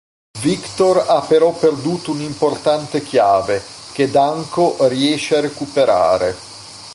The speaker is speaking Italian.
Viktor ha però perduto un'importante chiave, che Danko riesce a recuperare.